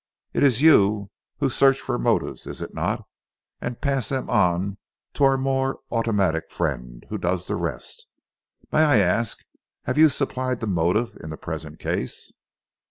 It is you who search for motives, is it not, and pass them on to our more automatic friend, who does the rest. May I ask, have you supplied the motive in the present case?"